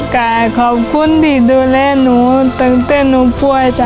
ก็ดีขอบคุณที่ดูแลหนูจนเต้นพ่อจ๊ะ